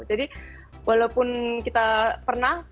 jadi walaupun kita pernah